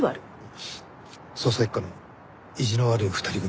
捜査一課の意地の悪い２人組。